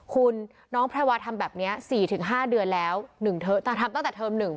คุณน้องแพรวาทำแบบนี้๔๕เดือนแล้ว๑เทอมแต่ทำตั้งแต่เทอม๑